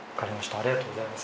ありがとうございます。